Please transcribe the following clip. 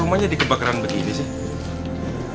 rumahnya dikebakaran begini sih